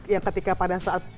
yang ketika pada saat